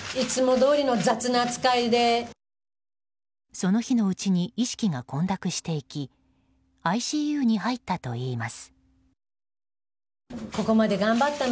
その日のうちに意識が混濁していきＩＣＵに入ったといいます。